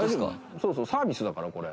そうそうサービスだからこれ。